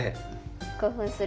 興奮する。